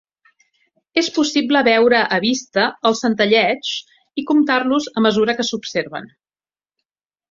És possible veure a vista els centelleigs i comptar-los a mesura que s'observen.